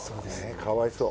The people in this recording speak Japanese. かわいそう。